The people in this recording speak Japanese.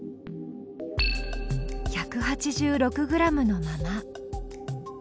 １８６ｇのまま。